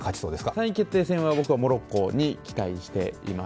３位決定戦は僕はモロッコに期待しています。